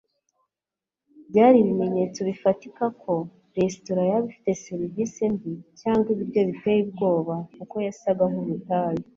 Byari ibimenyetso bifatika ko resitora yaba ifite serivisi mbi cyangwa ibiryo biteye ubwoba kuko yasaga nkubutayu .